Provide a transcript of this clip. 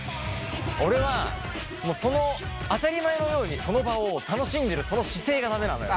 俺はその当たり前のようにその場を楽しんでるその姿勢が駄目なのよ。